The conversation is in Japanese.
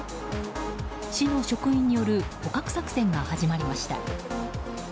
市の職員による捕獲作戦が始まりました。